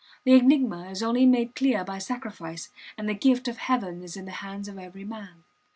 The enigma is only made clear by sacrifice, and the gift of heaven is in the hands of every man.